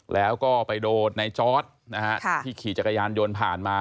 แล้วก็ไปโดนในจอร์ดนะฮะที่ขี่จักรยานยนต์ผ่านมา